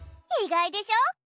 意外でしょ？